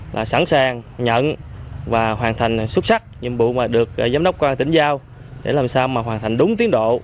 là sẵn sàng nhận và hoàn thành xuất sắc nhiệm vụ mà được giám đốc công an tỉnh giao để làm sao mà hoàn thành đúng tiến độ